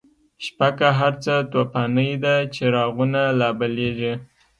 شپه که هر څه توفانی ده، چراغونه لا بلیږی